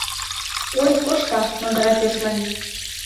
— Ой, коршта... — магыра пӧржмарий.